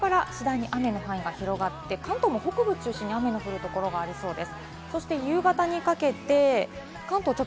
昼過ぎですが、日本海側から昼、次第に雨の範囲が広がって、関東も北部中心に雨の降る所がありそうです。